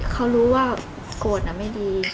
เขารู้ว่าโกรธไม่ดี